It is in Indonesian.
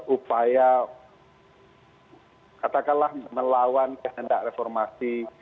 upaya katakanlah melawan kehendak reformasi